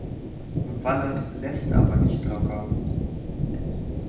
Wallat lässt aber nicht locker.